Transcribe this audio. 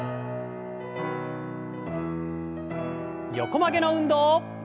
横曲げの運動。